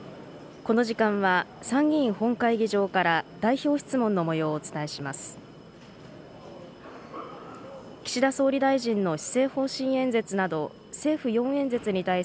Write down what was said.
この時間は参議院本会議場から代表質問のもようをお伝えします。